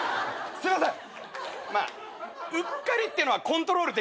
すいません！